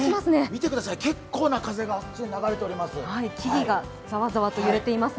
見てください、結構な風が流れています。